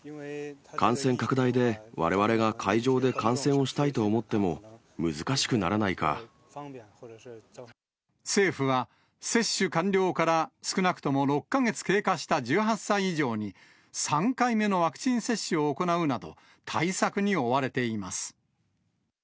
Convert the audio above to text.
感染拡大でわれわれが会場で観戦をしたいと思っても、難しくなら政府は、接種完了から少なくとも６か月経過した１８歳以上に、３回目のワクチン接種を行うなど、対策に追われています。